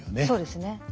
そうですね。